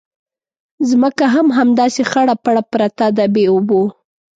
ځمکه هم همداسې خړه پړه پرته ده بې اوبو.